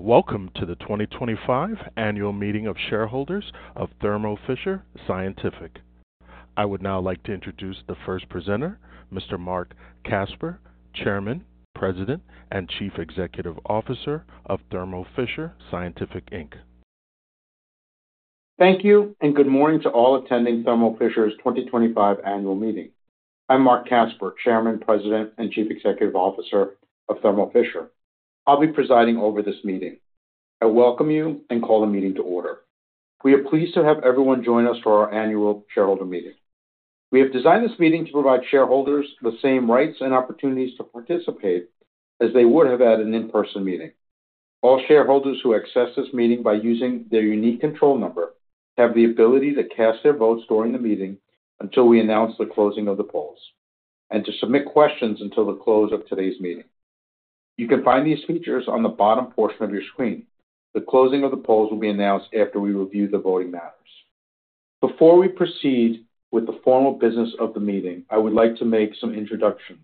Welcome to the 2025 Annual Meeting of Shareholders of Thermo Fisher Scientific. I would now like to introduce the first presenter, Mr. Marc Casper, Chairman, President, and Chief Executive Officer of Thermo Fisher Scientific Inc. Thank you, and good morning to all attending Thermo Fisher's 2025 Annual Meeting. I'm Marc Casper, Chairman, President, and Chief Executive Officer of Thermo Fisher. I'll be presiding over this meeting. I welcome you and call the meeting to order. We are pleased to have everyone join us for our Annual Shareholder Meeting. We have designed this meeting to provide shareholders the same rights and opportunities to participate as they would have at an in-person meeting. All shareholders who access this meeting by using their unique control number have the ability to cast their votes during the meeting until we announce the closing of the polls and to submit questions until the close of today's meeting. You can find these features on the bottom portion of your screen. The closing of the polls will be announced after we review the voting matters. Before we proceed with the formal business of the meeting, I would like to make some introductions.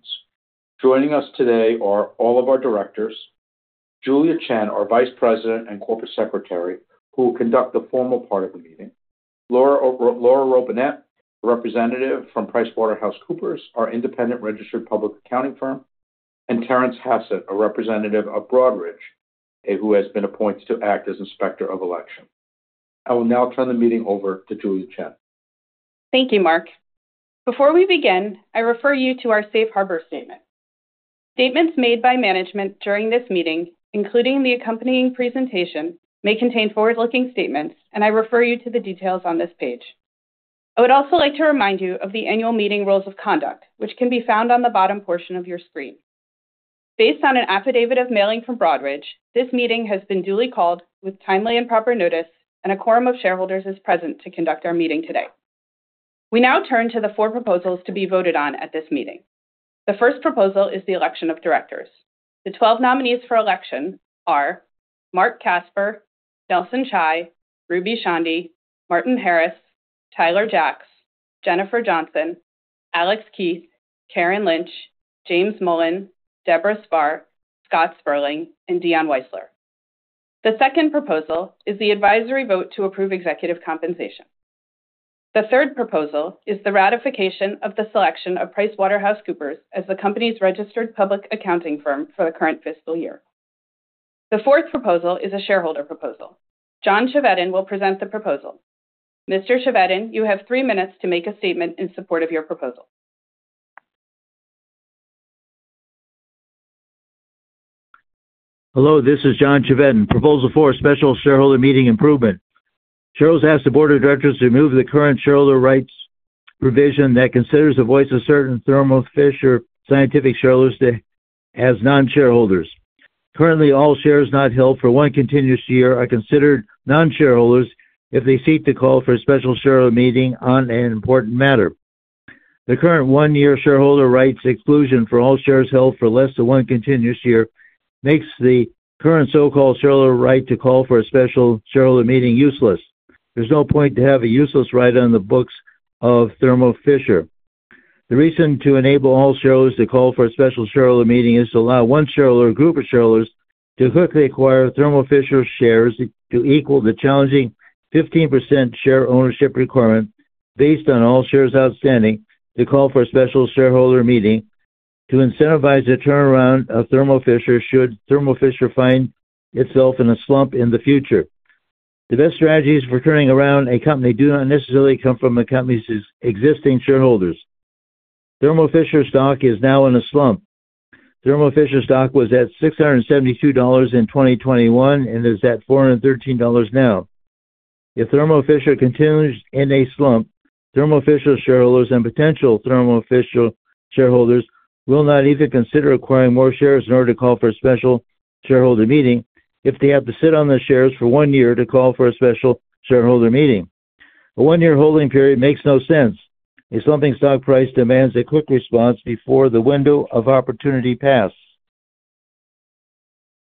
Joining us today are all of our directors: Julia Chen, our Vice President and Corporate Secretary, who will conduct the formal part of the meeting, Laura Robinette, a representative from PricewaterhouseCoopers, our independent registered public accounting firm, and Terence Hassett, a representative of Broadridge, who has been appointed to act as Inspector of Election. I will now turn the meeting over to Julia Chen. Thank you, Mark. Before we begin, I refer you to our Safe Harbor Statement. Statements made by management during this meeting, including the accompanying presentation, may contain forward-looking statements, and I refer you to the details on this page. I would also like to remind you of the Annual Meeting Rules of Conduct, which can be found on the bottom portion of your screen. Based on an affidavit of mailing from Broadridge, this meeting has been duly called with timely and proper notice, and a quorum of shareholders is present to conduct our meeting today. We now turn to the four proposals to be voted on at this meeting. The first proposal is the election of directors. The 12 nominees for election are Marc Casper, Nelson Chai, Ruby Chandy, Martin Harris, Tyler Jacks, Jennifer Johnson, Alex Keith, Karen Lynch, James Mullen, Debora Spar, Scott Sperling, and Dion Weisler. The second proposal is the advisory vote to approve executive compensation. The third proposal is the ratification of the selection of PricewaterhouseCoopers as the company's registered public accounting firm for the current fiscal year. The fourth proposal is a shareholder proposal. John Chevedden will present the proposal. Mr. Chevedden, you have three minutes to make a statement in support of your proposal. Hello, this is John Chevedden. Proposal four, special shareholder meeting improvement. Shareholders ask the Board of Directors to remove the current shareholder rights provision that considers the voice of certain Thermo Fisher Scientific shareholders as non-shareholders. Currently, all shares not held for one continuous year are considered non-shareholders if they seek to call for a special shareholder meeting on an important matter. The current one-year shareholder rights exclusion for all shares held for less than one continuous year makes the current so-called shareholder right to call for a special shareholder meeting useless. There's no point to have a useless right on the books of Thermo Fisher. The reason to enable all shareholders to call for a special shareholder meeting is to allow one shareholder or group of shareholders to quickly acquire Thermo Fisher shares to equal the challenging 15% share ownership requirement based on all shares outstanding to call for a special shareholder meeting to incentivize a turnaround of Thermo Fisher should Thermo Fisher find itself in a slump in the future. The best strategies for turning around a company do not necessarily come from the company's existing shareholders. Thermo Fisher stock is now in a slump. Thermo Fisher stock was at $672 in 2021 and is at $413 now. If Thermo Fisher continues in a slump, Thermo Fisher shareholders and potential Thermo Fisher shareholders will not even consider acquiring more shares in order to call for a special shareholder meeting if they have to sit on the shares for one year to call for a special shareholder meeting. A one-year holding period makes no sense if slumping stock price demands a quick response before the window of opportunity passes.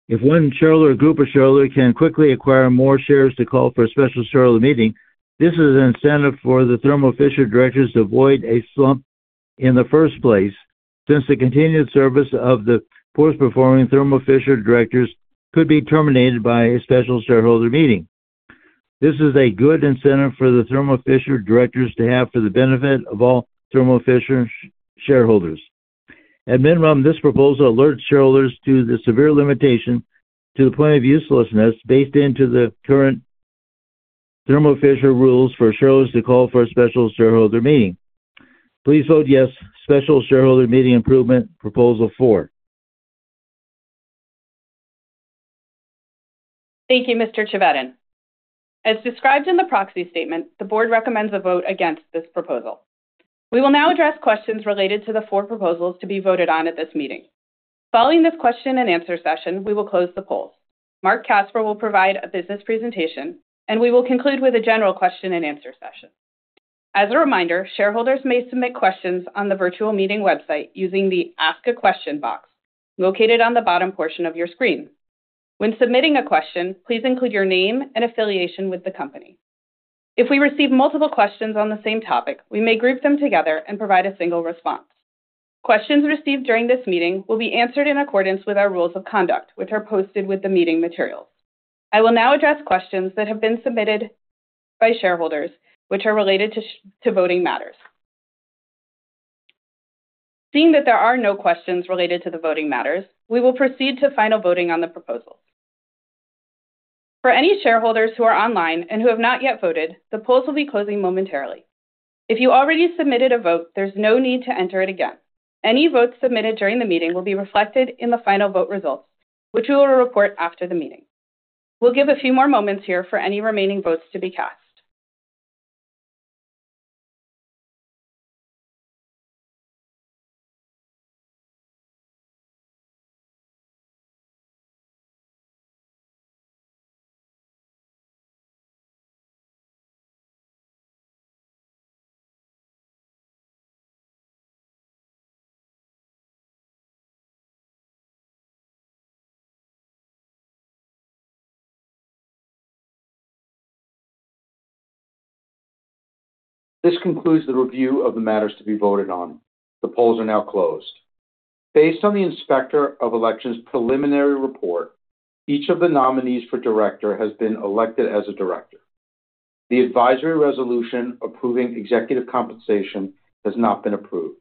If one shareholder or group of shareholders can quickly acquire more shares to call for a special shareholder meeting, this is an incentive for the Thermo Fisher directors to avoid a slump in the first place since the continued service of the poorly performing Thermo Fisher directors could be terminated by a special shareholder meeting. This is a good incentive for the Thermo Fisher directors to have for the benefit of all Thermo Fisher shareholders. At minimum, this proposal alerts shareholders to the severe limitation to the point of uselessness baked into the current Thermo Fisher Scientific rules for shareholders to call for a special shareholder meeting. Please vote yes to Special Shareholder Meeting Improvement Proposal Four. Thank you, Mr. Chevedden. As described in the proxy statement, the board recommends a vote against this proposal. We will now address questions related to the four proposals to be voted on at this meeting. Following this question and answer session, we will close the polls. Marc Casper will provide a business presentation, and we will conclude with a general question and answer session. As a reminder, shareholders may submit questions on the virtual meeting website using the Ask a Question box located on the bottom portion of your screen. When submitting a question, please include your name and affiliation with the company. If we receive multiple questions on the same topic, we may group them together and provide a single response. Questions received during this meeting will be answered in accordance with our rules of conduct, which are posted with the meeting materials. I will now address questions that have been submitted by shareholders, which are related to voting matters. Seeing that there are no questions related to the voting matters, we will proceed to final voting on the proposals. For any shareholders who are online and who have not yet voted, the polls will be closing momentarily. If you already submitted a vote, there's no need to enter it again. Any votes submitted during the meeting will be reflected in the final vote results, which we will report after the meeting. We'll give a few more moments here for any remaining votes to be cast. This concludes the review of the matters to be voted on. The polls are now closed. Based on the Inspector of Election's preliminary report, each of the nominees for director has been elected as a director. The advisory resolution approving executive compensation has not been approved.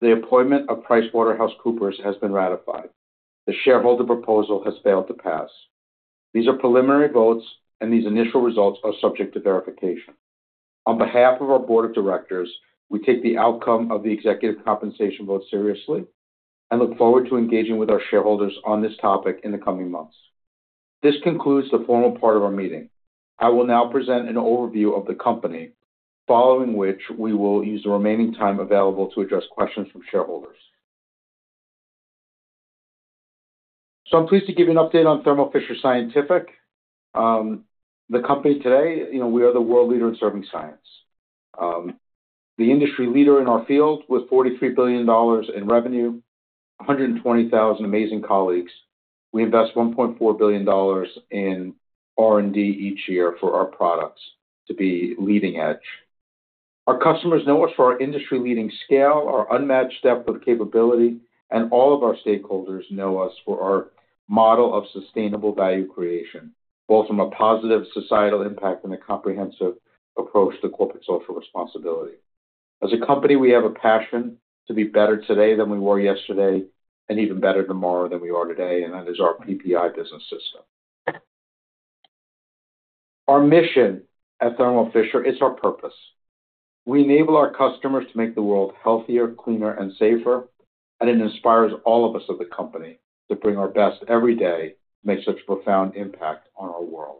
The appointment of PricewaterhouseCoopers has been ratified. The shareholder proposal has failed to pass. These are preliminary votes, and these initial results are subject to verification. On behalf of our Board of Directors, we take the outcome of the executive compensation vote seriously and look forward to engaging with our shareholders on this topic in the coming months. This concludes the formal part of our meeting. I will now present an overview of the company, following which we will use the remaining time available to address questions from shareholders. I'm pleased to give you an update on Thermo Fisher Scientific. The company today, you know, we are the world leader in serving science. The industry leader in our field with $43 billion in revenue, 120,000 amazing colleagues. We invest $1.4 billion in R&D each year for our products to be leading edge. Our customers know us for our industry-leading scale, our unmatched depth of capability, and all of our stakeholders know us for our model of sustainable value creation, both from a positive societal impact and a comprehensive approach to corporate social responsibility. As a company, we have a passion to be better today than we were yesterday and even better tomorrow than we are today, and that is our PPI business system. Our mission at Thermo Fisher is our purpose. We enable our customers to make the world healthier, cleaner, and safer, and it inspires all of us at the company to bring our best every day to make such a profound impact on our world.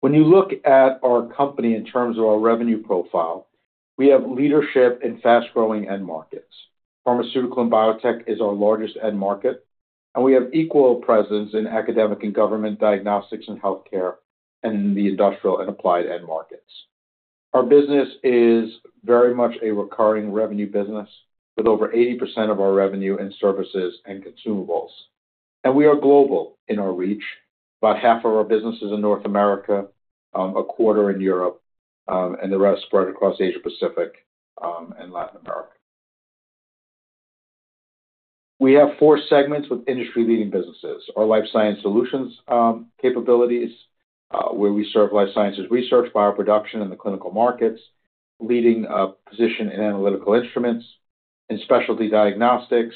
When you look at our company in terms of our revenue profile, we have leadership in fast-growing end markets. Pharmaceutical and biotech is our largest end market, and we have equal presence in academic and government diagnostics and healthcare and in the industrial and applied end markets. Our business is very much a recurring revenue business with over 80% of our revenue in services and consumables, and we are global in our reach. About 1/2 of our business is in North America, 1/4 in Europe, and the rest spread across Asia-Pacific and Latin America. We have four segments with industry-leading businesses: our life science solutions capabilities, where we serve life sciences research, bio production, and the clinical markets, leading position in analytical instruments and specialty diagnostics.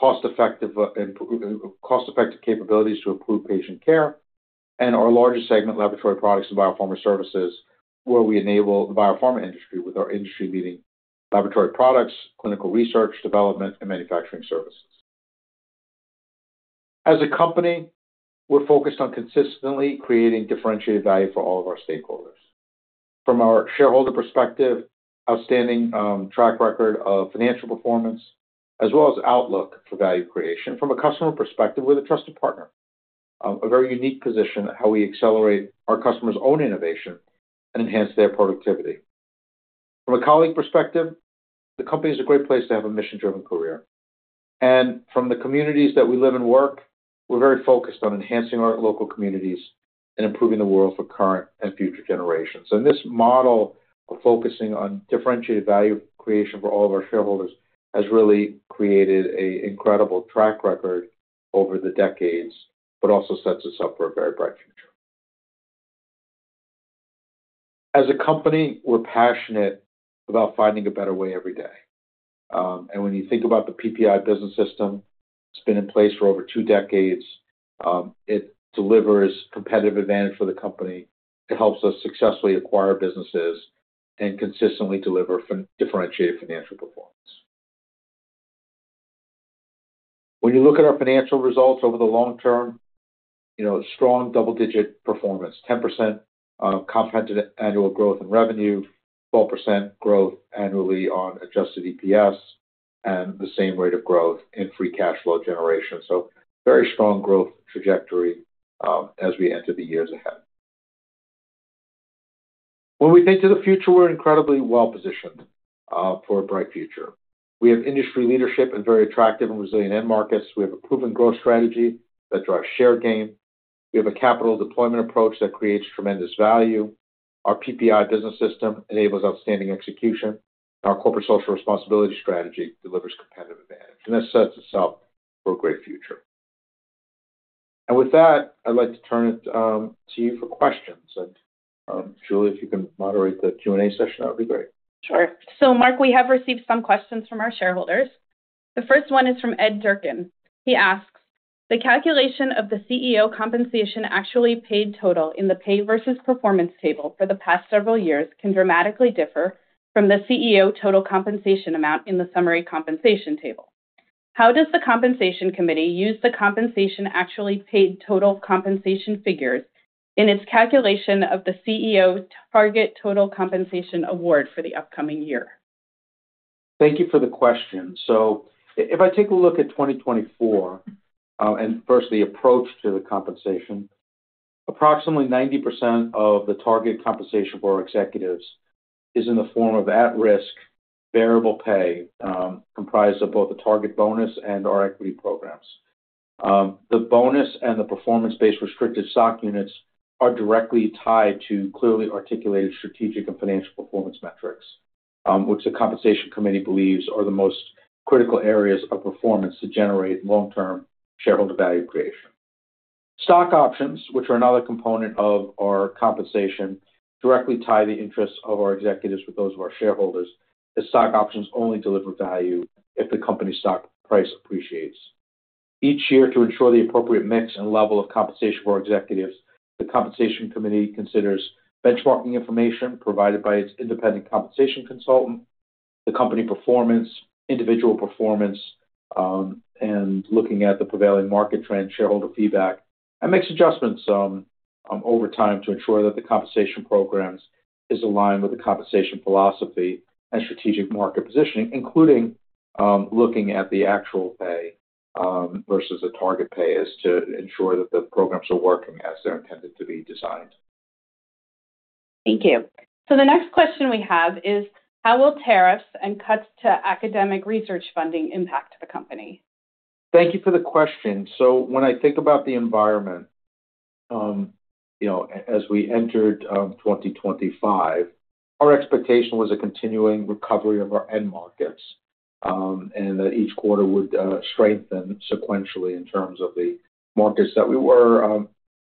We provide cost-effective capabilities to improve patient care, and our largest segment, laboratory products and biopharma services, where we enable the biopharma industry with our industry-leading laboratory products, clinical research, development, and manufacturing services. As a company, we're focused on consistently creating differentiated value for all of our stakeholders. From our shareholder perspective, outstanding track record of financial performance, as well as outlook for value creation from a customer perspective with a trusted partner. A very unique position, how we accelerate our customers' own innovation and enhance their productivity. From a colleague perspective, the company is a great place to have a mission-driven career. From the communities that we live and work, we're very focused on enhancing our local communities and improving the world for current and future generations. This model of focusing on differentiated value creation for all of our shareholders has really created an incredible track record over the decades, but also sets us up for a very bright future. As a company, we're passionate about finding a better way every day. When you think about the PPI business system, it's been in place for over two decades. It delivers competitive advantage for the company. It helps us successfully acquire businesses and consistently deliver differentiated financial performance. When you look at our financial results over the long term, you know, strong double-digit performance: 10% compounded annual growth in revenue, 12% growth annually on adjusted EPS, and the same rate of growth in free cash flow generation. Very strong growth trajectory as we enter the years ahead. When we think to the future, we're incredibly well-positioned for a bright future. We have industry leadership in very attractive and resilient end markets. We have a proven growth strategy that drives share gain. We have a capital deployment approach that creates tremendous value. Our PPI business system enables outstanding execution, and our corporate social responsibility strategy delivers competitive advantage, and that sets us up for a great future. With that, I'd like to turn it to you for questions. Julia, if you can moderate the Q&A session, that would be great. Sure. Mark, we have received some questions from our shareholders. The first one is from Ed Durkin. He asks, "The calculation of the CEO compensation actually paid total in the pay versus performance table for the past several years can dramatically differ from the CEO total compensation amount in the summary compensation table. How does the compensation committee use the compensation actually paid total compensation figures in its calculation of the CEO's target total compensation award for the upcoming year? Thank you for the question. If I take a look at 2024, and first the approach to the compensation, approximately 90% of the target compensation for our executives is in the form of at-risk variable pay, comprised of both the target bonus and our equity programs. The bonus and the performance-based restricted stock units are directly tied to clearly articulated strategic and financial performance metrics, which the compensation committee believes are the most critical areas of performance to generate long-term shareholder value creation. Stock options, which are another component of our compensation, directly tie the interests of our executives with those of our shareholders, as stock options only deliver value if the company's stock price appreciates. Each year, to ensure the appropriate mix and level of compensation for our executives, the Compensation Committee considers benchmarking information provided by its independent compensation consultant, the company performance, individual performance, and looking at the prevailing market trends, shareholder feedback, and makes adjustments over time to ensure that the compensation programs are aligned with the compensation philosophy and strategic market positioning, including looking at the actual pay versus a target pay as to ensure that the programs are working as they're intended to be designed. Thank you. The next question we have is, "How will tariffs and cuts to academic research funding impact the company? Thank you for the question. When I think about the environment, you know, as we entered 2025, our expectation was a continuing recovery of our end markets and that each quarter would strengthen sequentially in terms of the markets that we were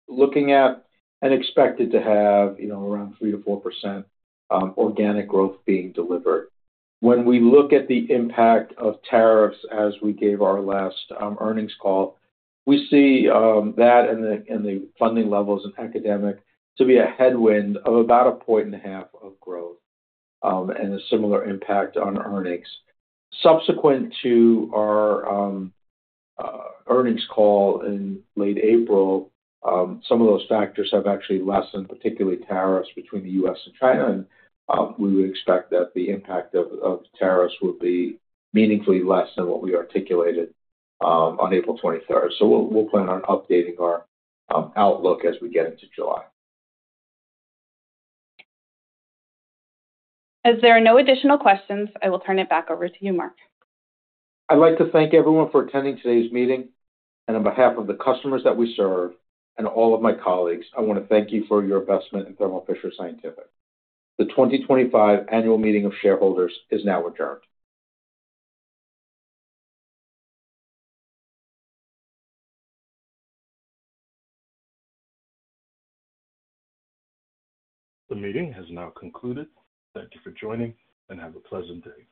looking at and expected to have, you know, around 3-4% organic growth being delivered. When we look at the impact of tariffs as we gave our last earnings call, we see that and the funding levels in academic to be a headwind of about a point and a half of growth and a similar impact on earnings. Subsequent to our earnings call in late April, some of those factors have actually lessened, particularly tariffs between the U.S. and China, and we would expect that the impact of tariffs will be meaningfully less than what we articulated on April 23rd. We'll plan on updating our outlook as we get into July. As there are no additional questions, I will turn it back over to you, Marc. I'd like to thank everyone for attending today's meeting, and on behalf of the customers that we serve and all of my colleagues, I want to thank you for your investment in Thermo Fisher Scientific. The 2025 Annual Meeting of shareholders is now adjourned. The meeting has now concluded. Thank you for joining, and have a pleasant day.